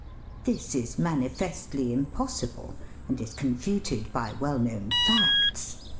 This is manifestly impossible, and is confuted by well known facts.